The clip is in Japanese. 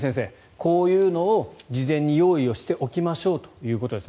こういうのを事前に用意しておきましょうということですね、